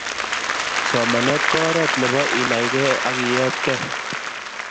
Somanet ko oret nebo inaigei ak ietkei